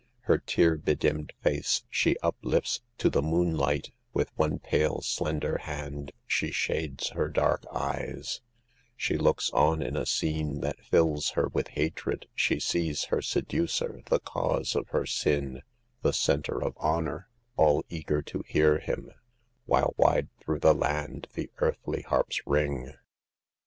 Her tear bedimmed face she uplifts to the moonlight, With one pale, slender hand she shades her dark eyes; She looks in on a scene that tills her with hatred,— She sees her seducer, the cause of her sin, The center of honor, all eager to hear him, While wide through the land the earthly harps ring.